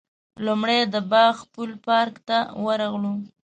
لومړی د باغ پل پارک ته ورغلو.